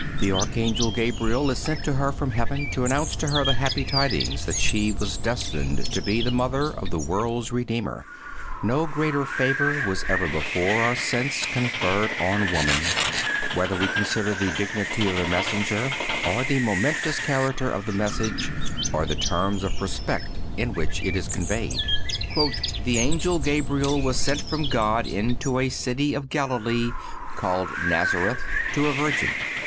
The Archangel Gabriel is sent to her from heaven to announce to her the happy tidings that she was destined to be the mother of the world's Redeemer. No greater favor was ever before or since conferred on woman, whether we consider the dignity of the messenger, or the momentous character of the message, or the terms of respect in which it is conveyed. "The Angel Gabriel was sent from God into a city of Galilee called Nazareth to a virgin